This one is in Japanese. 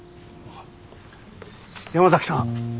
山崎さん！